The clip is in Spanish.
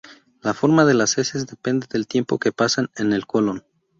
La forma de las heces depende del tiempo que pasan en el colon.